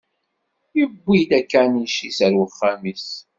Yewwi-d akanic-is ar wexxam-is.